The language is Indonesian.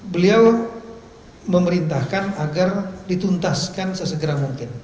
beliau memerintahkan agar dituntaskan sesegera mungkin